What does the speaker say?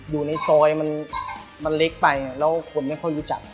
ดูในซอยมันเล็กไปเราไม่เข้ารู้จัก